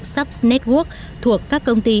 subs network thuộc các công ty